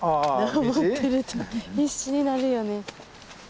登ってると必死になるよね。